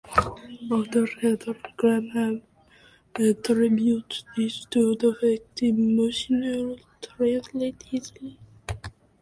Author Heather Graham attributes this to the fact that emotions translate easily.